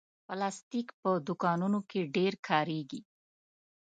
پلاستيک په دوکانونو کې ډېر کارېږي.